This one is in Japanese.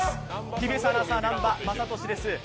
ＴＢＳアナウンサー、南波雅俊です。